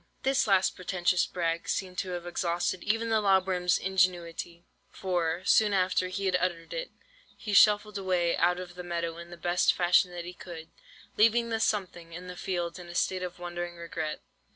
"This last pretentious brag seemed to have exhausted even the lob worm's ingenuity, for, soon after he had uttered it, he shuffled away out of the meadow in the best fashion that he could, leaving the 'something' in the field in a state of wondering regret.